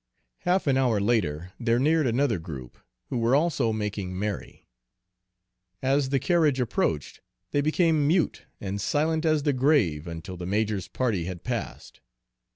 Half an hour later they neared another group, who were also making merry. As the carriage approached, they became mute and silent as the grave until the major's party had passed.